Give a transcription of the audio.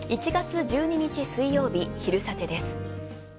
１月１２日水曜日、「昼サテ」です。